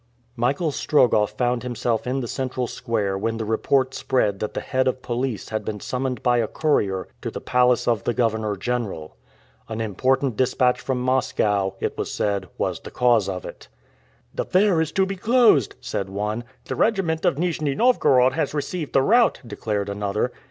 Michael Strogoff found himself in the central square when the report spread that the head of police had been summoned by a courier to the palace of the governor general. An important dispatch from Moscow, it was said, was the cause of it. "The fair is to be closed," said one. "The regiment of Nijni Novgorod has received the route," declared another.